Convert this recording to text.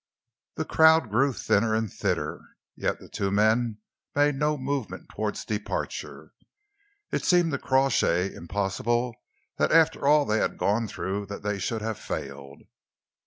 The crowd grew thinner and thinner, yet the two men made no movement towards departure. It seemed to Crawshay impossible that after all they had gone through they should have failed.